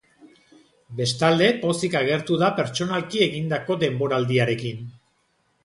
Bestalde, pozik agertu da pertsonalki egindako denboraldiarekin.